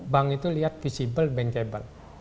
bank itu lihat visible bankable